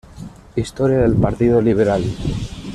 Historia del Partido Liberal.